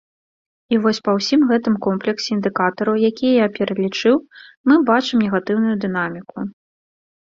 І вось па ўсім гэтым комплексе індыкатараў, якія я пералічыў, мы бачым негатыўную дынаміку.